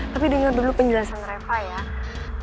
tapi dengar dulu penjelasan reva ya